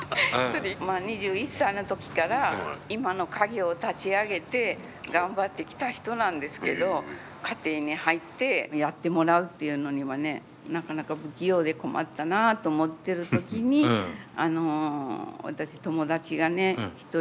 まあ２１歳の時から今の家業を立ち上げて頑張ってきた人なんですけど家庭に入ってやってもらうっていうのにはねなかなか不器用で困ったなと思ってる時にあの私友達がね一人アリモトさんっていうんですけど。